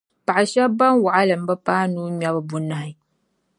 Paɣa shɛb’ bɛn waɣilim bi paai nuu ŋmɛbu bunahi.